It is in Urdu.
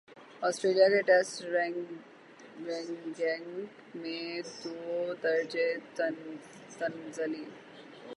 اسٹریلیا کی ٹیسٹ رینکنگ میں دو درجہ تنزلی